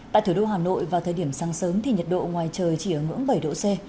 tại thủ đô hà nội vào thời điểm sáng sớm thì nhiệt độ ngoài trời chỉ ở ngưỡng bảy độ c